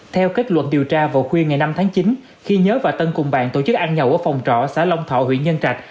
theo kết luận điều tra vào khuya ngày năm tháng chín khi nhớ và tân cùng bạn tổ chức ăn nhậu ở phòng trọ xã long thọ huyện nhân trạch